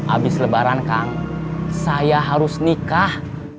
abis lebaran kang saya harus nikah